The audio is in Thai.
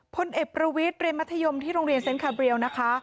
พลเอกประวิทย์เรียนมัธยมที่โรงเรียนเซ็นคาเรียลนะคะ